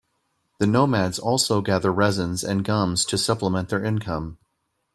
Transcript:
The nomads also gather resins and gums to supplement their income.